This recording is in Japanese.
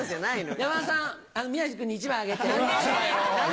山田さん宮治君に１枚あげて。